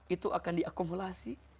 itu akan diakumulasi